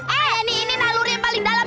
che ini ini relies paling dalam